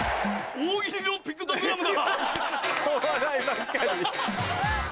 大喜利のピクトグラムだ。